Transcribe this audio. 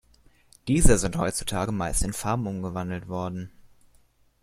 Diese sind heutzutage meist in Farmen umgewandelt worden.